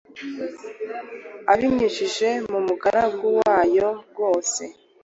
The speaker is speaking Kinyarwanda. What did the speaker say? ibinyujije mu mugaragu wayo rwose,